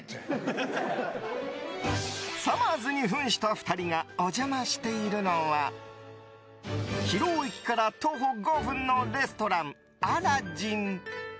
さまぁずに扮した２人がお邪魔しているのは広尾駅から徒歩５分のレストランアラジン。